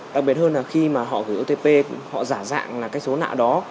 đặc biệt hơn là khi mà họ gửi otp họ giả dạng là cái số nợ đó